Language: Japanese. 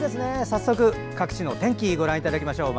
早速、各地の天気ご覧いただきましょう。